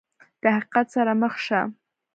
د حقیقت سره مخ شه !